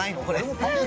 これ。